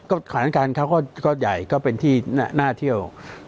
สถานการณ์เขาก็ใหญ่ก็เป็นที่น่าเที่ยว